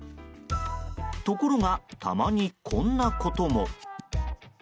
ところが、たまにこんなことも。